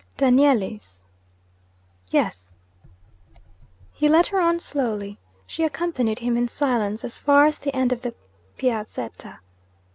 'Danieli's?' 'Yes!' He led her on slowly. She accompanied him in silence as far as the end of the Piazzetta.